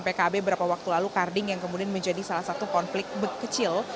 pkb beberapa waktu lalu karding yang kemudian menjadi salah satu konflik kecil